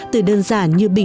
từ đơn giản như bìa